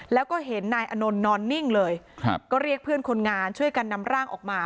แล้วก็เห็นนายอนนท์นอนนิ่งเลยครับก็เรียกเพื่อนคนงานช่วยกันนำร่างออกมา